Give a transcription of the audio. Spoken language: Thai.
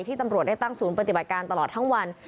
ตำรวจได้ตั้งศูนย์ปฏิบัติการตลอดทั้งวัน